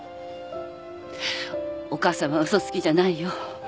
お母さんは嘘つきじゃないよ。